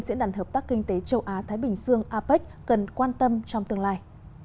diễn đàn hợp tác kinh tế châu á thái bình dương apec cần quan tâm trong tương lai